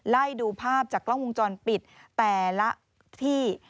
ไล่ดูภาพจากกล้องวงจรปิดแต่ละที่